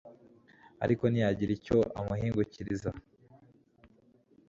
ariko ntiyagira icyo amuhingukiriza